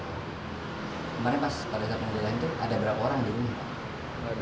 kemarin pas pada saat penggeledahan itu ada berapa orang di rumah